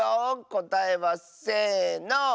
こたえはせの！